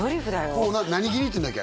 こう何切りっていうんだっけ？